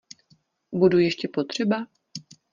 Budu ještě potřeba?